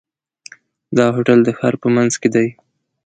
دا هوټل د ښار په منځ کې دی.